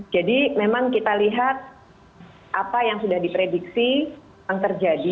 jadi memang kita lihat apa yang sudah diprediksi yang terjadi